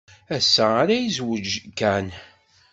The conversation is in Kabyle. Ass-a ara yezweǧ Kan.